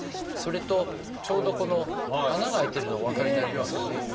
それとちょうどこの穴が開いてるのお分かりになりますかね。